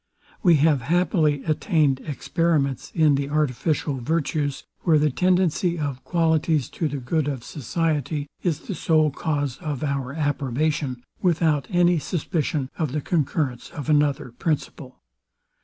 We have happily attained experiments in the artificial virtues, where the tendency of qualities to the good of society, is the sole cause of our approbation, without any suspicion of the concurrence of another principle.